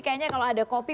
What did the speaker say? kayaknya kalau ada kopi